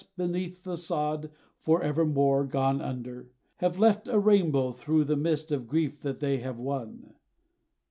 beneath the sod, for evermore gone under, Have left a rainbow thro' the mist of grief that they have won.